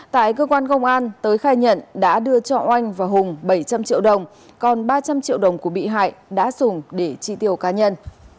tại cơ quan công an tới khai nhận đã đưa cho oanh và hùng bảy trăm linh triệu đồng còn ba trăm linh triệu đồng của bị hại đã dùng để tri tiêu cá nhân